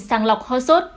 sàng lọc ho sốt